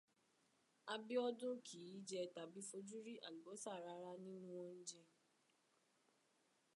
Abíọ́dún kìí jẹ tàbí fojú rí àlùbọ́sà rárá nínú óuńjẹ.